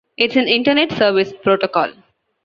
It's an Internet Service Protocol.